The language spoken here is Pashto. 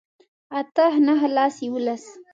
اتۀ نهه لس يوولس